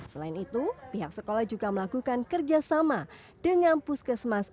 selain itu pihak sekolah juga melakukan kerjasama dengan puskesmas